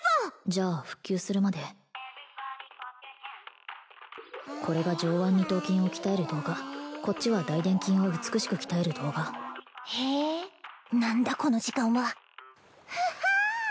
じゃあ復旧するまでこれが上腕二頭筋を鍛える動画こっちは大臀筋を美しく鍛える動画へえ何だこの時間はふは！